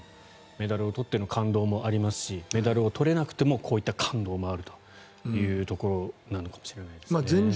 メダルを取っての感動もありますしメダルを取れなくてもこういった感動もあるというところなのかもしれませんね。